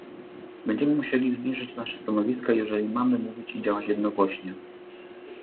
Będziemy musieli zbliżyć nasze stanowiska, jeżeli mamy mówić i działać jednogłośnie